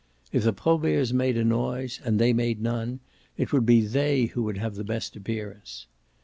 If the Proberts made a noise and they made none it would be they who would have the best appearance.